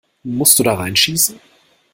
Musst du da rein schießen?